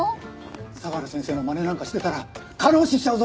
相良先生のまねなんかしてたら過労死しちゃうぞ。